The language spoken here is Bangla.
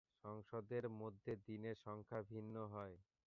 সংসদের মধ্যে দিনের সংখ্যা ভিন্ন হয়।